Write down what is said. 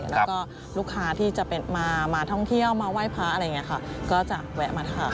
แล้วก็ลูกค้าที่จะมาท่องเที่ยวมาไหว้พระอะไรอย่างนี้ค่ะก็จะแวะมาทาน